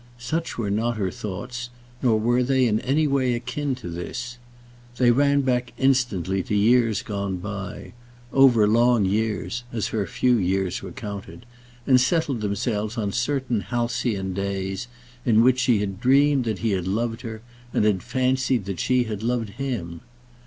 Such were not her thoughts, nor were they in any way akin to this. They ran back instantly to years gone by, over long years, as her few years were counted, and settled themselves on certain halcyon days, in which she had dreamed that he had loved her, and had fancied that she had loved him.